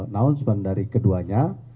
noun sebuah dari keduanya